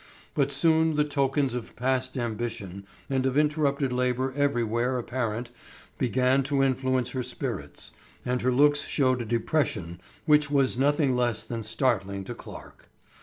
But soon the tokens of past ambition and of interrupted labor everywhere apparent, began to influence her spirits, and her looks showed a depression which was nothing less than startling to Clarke.